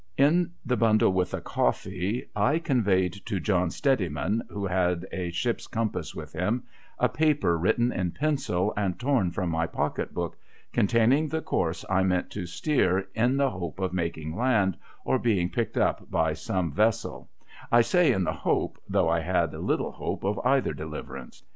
In the bundle with the coffee, I conveyed to John Steadiman (who had a ship's compass with him), a paper written in pencil, and torn from my pocket book, containing the course I meant to steer, in the hope of making land, or being picked up by some vessel — I say in the hope, though I had little hope of either deliverance.